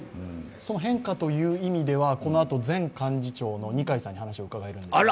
その変化という意味では、このあと前幹事長の二階さんに話を聞けるんですが。